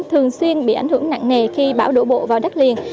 đã bị ảnh hưởng nặng nề khi bão đổ bộ vào đất liền